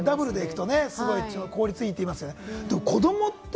ダブルですると効率がいいって言いますよね。